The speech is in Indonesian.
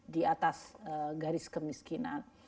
di atas garis kemiskinan